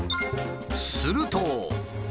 すると。